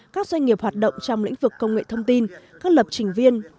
các doanh nghiệp hoạt động trong lĩnh vực công nghệ thông tin các lập trình viên